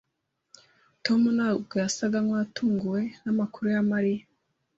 Tom ntabwo yasaga nkuwatunguwe namakuru ya Mariya.